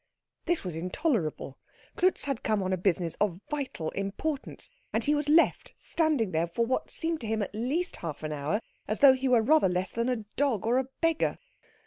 This was intolerable. Klutz had come on business of vital importance, and he was left standing there for what seemed to him at least half an hour, as though he were rather less than a dog or a beggar.